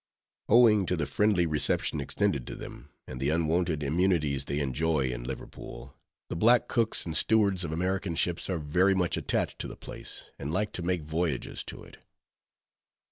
Owing to the friendly reception extended to them, and the unwonted immunities they enjoy in Liverpool, the black cooks and stewards of American ships are very much attached to the place and like to make voyages to it.